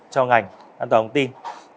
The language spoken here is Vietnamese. cho ngành an toàn thông tin